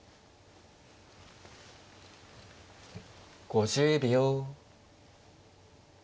５０秒。